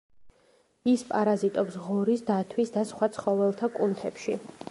ის პარაზიტობს ღორის, დათვის და სხვა ცხოველთა კუნთებში.